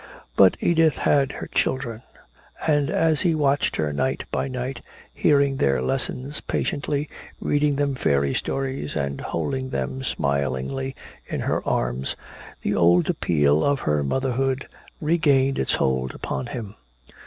But Edith had her children. And as he watched her night by night hearing their lessons patiently, reading them fairy stories and holding them smilingly in her arms, the old appeal of her motherhood regained its hold upon him.